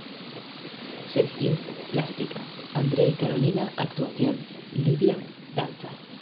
Sergio: plástica; Andrea y Carolina: actuación; Livia: danza.